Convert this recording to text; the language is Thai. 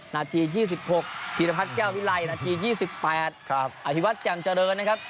นาที๒๖พีรพัฒน์แก้ววิไลนาที๒๘อธิวัตรแจ่มเจริญนะครับ